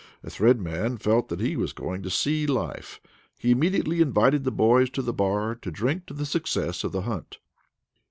The Thread Man felt that he was going to see Life. He immediately invited the boys to the bar to drink to the success of the hunt.